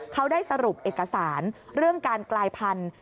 เขาได้สรุปเอกสารเรื่องการกลายพันธุ์